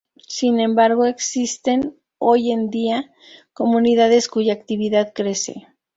Sin embargo existen hoy en día comunidades cuya actividad crece.